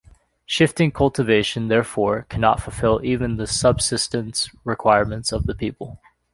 Shifting cultivation, therefore, cannot fulfill even the subsistence requirements of the people.